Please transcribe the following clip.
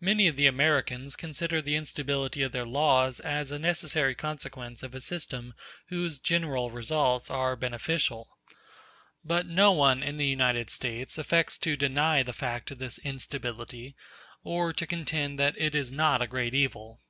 Many of the Americans consider the instability of their laws as a necessary consequence of a system whose general results are beneficial. But no one in the United States affects to deny the fact of this instability, or to contend that it is not a great evil.